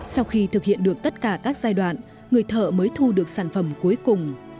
sau khi thực hiện được tất cả các giai đoạn người thợ mới thu được sản phẩm cuối cùng